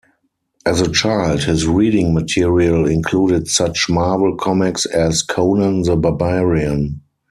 As a child, his reading material included such Marvel Comics as "Conan the Barbarian".